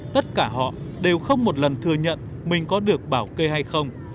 tất cả họ đều không một lần thừa nhận mình có được bảo kê hay không